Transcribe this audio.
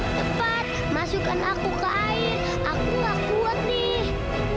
tepat masukkan aku ke air aku gak kuat nih